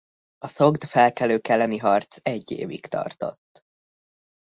A szogd felkelők elleni harc egy évig tartott.